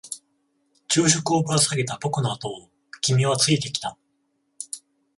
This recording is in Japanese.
昼食をぶら下げた僕のあとを君はついてきた。